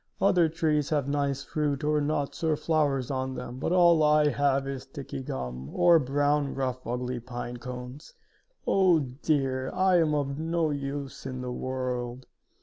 Other trees have nice fruit or nuts or flowers on them, but all I have is sticky gum, or brown, rough ugly pine cones. Oh, dear! I am of no use in the world!"